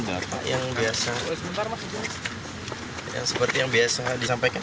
seperti yang disampaikan sama teman teman yang biasa disampaikan